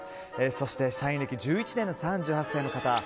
そして社員歴１１年の３８歳の方。